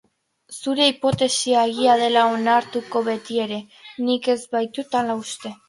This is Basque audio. Zure hipotesia egia dela onartuta betiere, nik ez baitut hala uste.